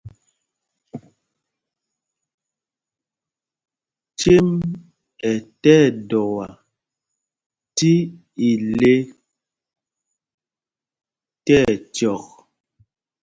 Cêm ɛ tí ɛdɔa tí ile tí ɛcyɔk.